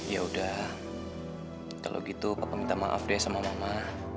ya udah kalau gitu papa minta maaf deh sama mama